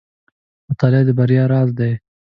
• مطالعه د بریا راز دی.